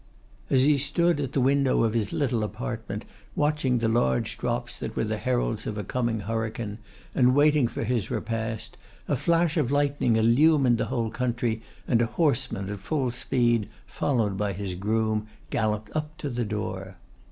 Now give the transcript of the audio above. As he stood at the window of his little apartment, watching the large drops that were the heralds of a coming hurricane, and waiting for his repast, a flash of lightning illumined the whole country, and a horseman at full speed, followed by his groom, galloped up to the door.